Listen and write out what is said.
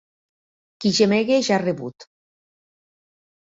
Qui gemega ja ha rebut!